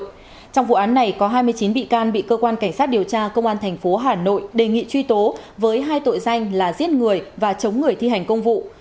trong vụ án này có hai mươi chín bị can bị cơ quan cảnh sát điều tra công an tp hà nội đề nghị truy tố với hai tội danh là giết người và chống người thi hành công vụ